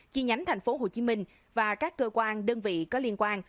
chi nhánh tp hcm và các cơ quan đơn vị có liên quan